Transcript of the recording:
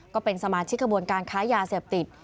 ก็เป็นสมาชิกกระบวนการค้ายาเสพติด